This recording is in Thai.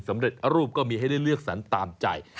สำเร็จรูปก็มีให้ได้เลือกสรรตามใจ